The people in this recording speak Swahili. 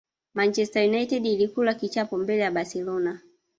Manchester United ilikubali kichapo mbele ya barcelona